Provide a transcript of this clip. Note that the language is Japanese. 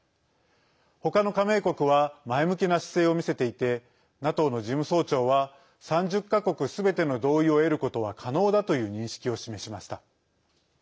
ほかの加盟国は前向きな姿勢を見せていてＮＡＴＯの事務総長は３０か国すべての同意を得ることは可能だという認識を示しました。